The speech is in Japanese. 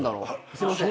すいません。